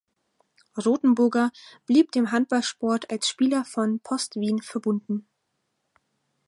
Rothenburger blieb dem Handballsport als Spieler von Post Wien verbunden.